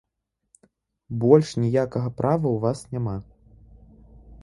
Больш ніякага права ў вас няма.